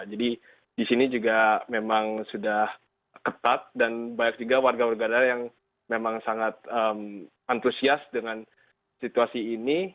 di sini juga memang sudah ketat dan banyak juga warga warga negara yang memang sangat antusias dengan situasi ini